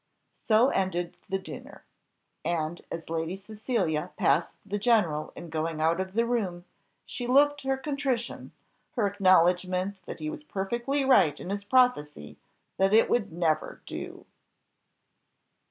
So ended the dinner. And, as Lady Cecilia passed the general in going out of the room, she looked her contrition, her acknowledgment that he was perfectly right in his prophecy that it would never do.